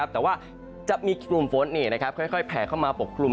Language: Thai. แต่ว่าจะมีกลุ่มฝนค่อยแผ่เข้ามาปกกลุ่ม